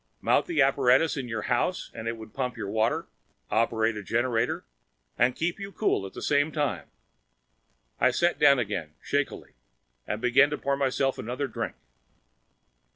Mount the apparatus in your house and it would pump your water, operate a generator and keep you cool at the same time!" I sat down again, shakily, and began pouring myself another drink.